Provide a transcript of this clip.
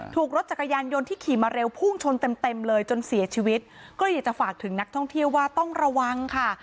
ถูกรถจักรยานยนต์ที่ขี่มาเร็วพุ่งชนเต็มเต็มเลยจนเสียชีวิตก็เลยอยากจะฝากถึงนักท่องเที่ยวว่าต้องระวังค่ะ